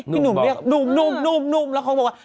พี่หนุ่มเรียกนุ่มแล้วเขาบอกว่า